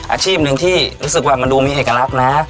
อาชีพหนึ่งที่รู้สึกว่ามันดูมีเอกลักษณ์นะ